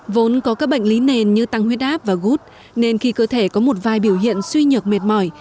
vốn có các bệnh lý nền như tăng huyết áp và gút nên khi cơ thể có một vài biểu hiện suy nhược mệt mỏi